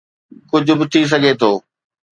ڪجهه به ٿي سگهي ٿو.